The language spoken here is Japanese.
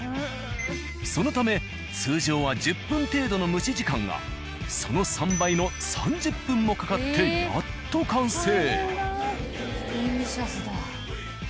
そのため通常は１０分程度の蒸し時間がその３倍の３０分もかかってやっと完成。